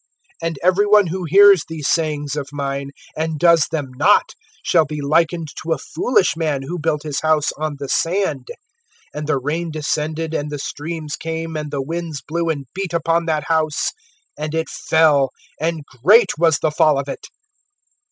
(26)And every one who hears these sayings of mine, and does them not, shall be likened to a foolish man, who built his house on the sand. (27)And the rain descended, and the streams came, and the winds blew, and beat upon that house, and it fell; and great was the fall of it.